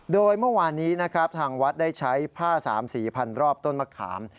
โดยเมื่อวานนี้นะครับทางวัดได้ใช้ผ้าสามสีพันรอบต้นมะขาม